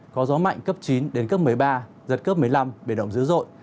có gió mạnh cấp chín đến cấp một mươi ba giật cấp một mươi năm biển động dữ dội